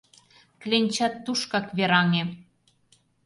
Кленчат тушкак вераҥе.